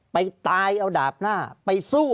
ภารกิจสรรค์ภารกิจสรรค์